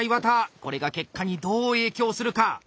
これが結果にどう影響するか？